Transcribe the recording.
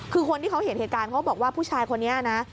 คือคนที่เขาเห็นเหตุการณ์เขาบอกว่าผู้ชายคนนี้นะ